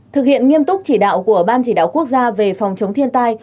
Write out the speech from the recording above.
thực hiện nghiêm túc chỉ đạo của ban chỉ đạo quốc gia về phòng chống thiên tai